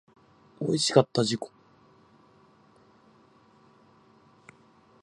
おいしかった自己